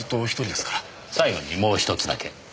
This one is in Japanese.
最後にもう一つだけ。